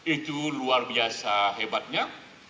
itu luar biasa hebatnya